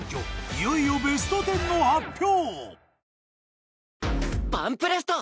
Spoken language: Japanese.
いよいよベスト１０の発表！